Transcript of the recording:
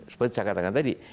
seperti saya katakan tadi